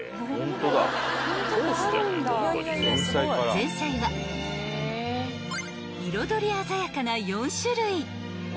［前菜は彩り鮮やかな４種類］